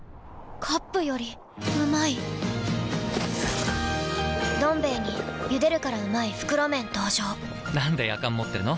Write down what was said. カップよりうまい「どん兵衛」に「ゆでるからうまい！袋麺」登場なんでやかん持ってるの？